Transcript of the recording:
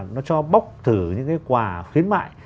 nó cho bóc thử những cái quà khuyến mại